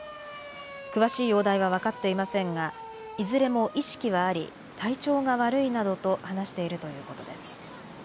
詳しい容体は分かっていませんがいずれも意識はあり体調が悪いなどと話しているということです。